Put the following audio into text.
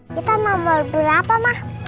kita nomor berapa mah